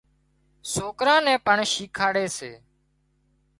سوڪران نين پڻ شيکاڙي سي